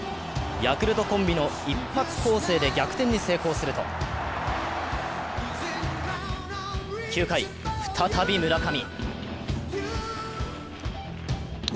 ヤクルトコンビの一発攻勢で逆転に成功すると、９回、再び村上。